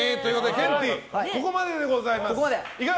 ケンティーここまででございます。